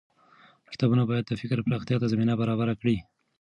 کتابونه بايد د فکر پراختيا ته زمينه برابره کړي.